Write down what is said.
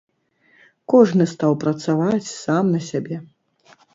Кожны стаў працаваць сам на сябе.